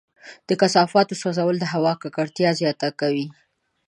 د کثافاتو سوځول د هوا ککړتیا زیاته کوي.